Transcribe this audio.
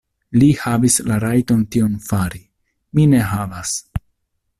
Li havis la rajton tion fari; mi ne havas.